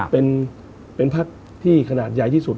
เป็นพักที่ขนาดใหญ่ที่สุด